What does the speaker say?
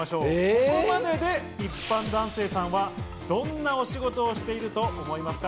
ここまでで一般男性さんはどんなお仕事していると思いますか？